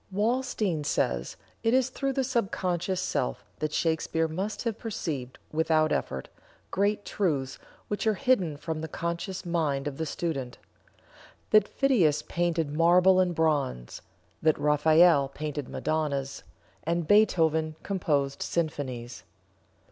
Walstein says: "It is through the sub conscious self that Shakespeare must have perceived, without effort, great truths which are hidden from the conscious mind of the student; that Phidias painted marble and bronze; that Raphael painted Madonnas, and Beethoven composed symphonies."